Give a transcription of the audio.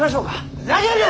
ふざけるな！